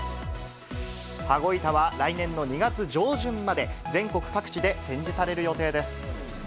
羽子板は来年の２月上旬まで、全国各地で展示される予定です。